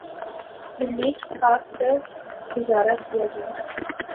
millet کھا کر گزارہ کیا جائے